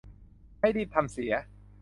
ให้รีบทำเสีย